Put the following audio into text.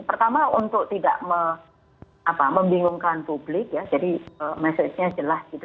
pertama untuk tidak membingungkan publik ya jadi message nya jelas gitu